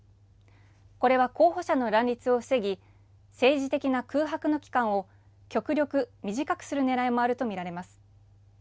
これは候補者の乱立を防ぎ、政治的な空白の期間を極力短くするねらいもあると見られます。